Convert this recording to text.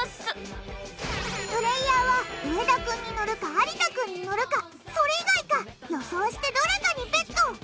プレーヤーは上田君にのるか有田君にのるかそれ以外か予想してどれかにＢＥＴ。